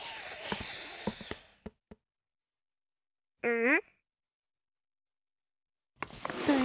うん？